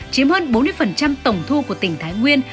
chiếm hơn bốn mươi tổng thu của tỉnh thái nguyên